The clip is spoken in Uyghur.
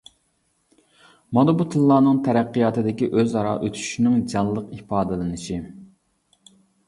مانا بۇ تىللارنىڭ تەرەققىياتىدىكى ئۆز ئارا ئۆتۈشۈشنىڭ جانلىق ئىپادىلىنىشى.